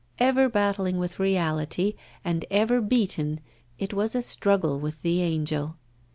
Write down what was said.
Ever battling with reality, and ever beaten, it was a struggle with the Angel.